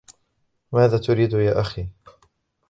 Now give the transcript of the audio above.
ماذا تريد يا أخي؟